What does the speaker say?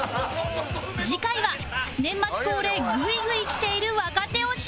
次回は年末恒例グイグイ来ている若手をシメる！